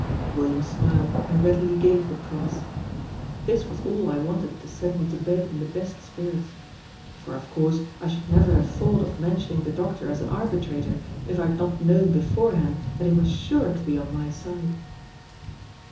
William smiled, and readily gave the promise. This was all I wanted to send me to bed in the best spirits. For, of course, I should never have thought of mentioning the doctor as an arbitrator, if I had not known beforehand that he was sure to be on my side.